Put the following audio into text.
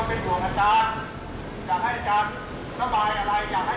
แต่ทุกคนเป็นห่วงอาจารย์อยากให้อาจารย์ระบายอะไรอยากให้อาจารย์